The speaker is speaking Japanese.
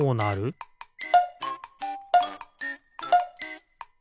ピッ！